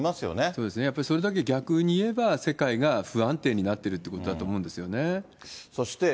そうですね、やっぱそれだけ逆に言えば、世界が不安定になってるということだと思うんですよね。